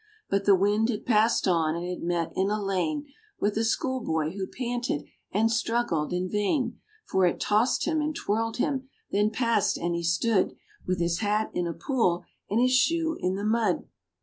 But the wind had passed on, and had met in a lane With a schoolboy, who panted and struggled in vain; For it tossed him and twirled him, then passed, and he stood With his hat in a pool and his shoe in the mud.